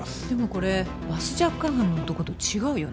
これバスジャック犯の男と違うよね